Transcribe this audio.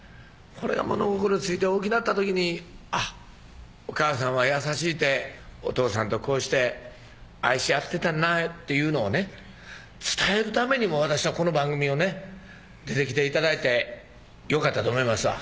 これが物心ついて大きなった時に「あっお母さんは優しいてお父さんとこうして愛し合ってたな」っていうのをね伝えるためにも私はこの番組をね出てきて頂いてよかったと思います